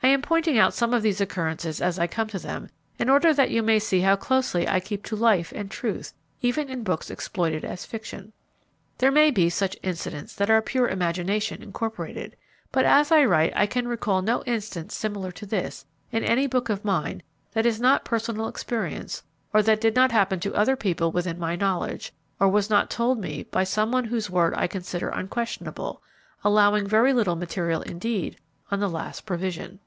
I am pointing out some of these occurrences as I come to them, in order that you may see how closely I keep to life and truth, even in books exploited as fiction. There may be such incidents that are pure imagination incorporated; but as I write I can recall no instance similar to this, in any book of mine, that is not personal experience, or that did not happen to other people within my knowledge, or was not told me by some one whose word I consider unquestionable; allowing very little material indeed, on the last provision.